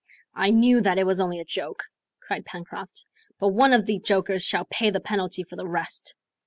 "I knew that it was only a joke," cried Pencroft; "but one of the jokers shall pay the penalty for the rest."